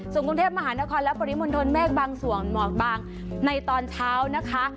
ส่วนกรุงเทพมหานครและปริมณฑลเมฆบางส่วนหมอกบางในตอนเช้านะคะ